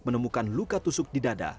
menemukan luka tusuk di dada